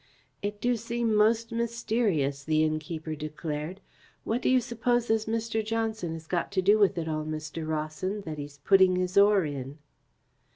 "It do seem most mysterious," the innkeeper declared. "What do you suppose this Mr. Johnson has got to do with it all, Mr. Rawson, that he's putting his oar in?"